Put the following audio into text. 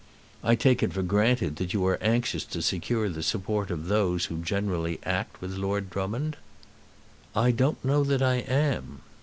I take it for granted that you are anxious to secure the support of those who generally act with Lord Drummond." "I don't know that I am."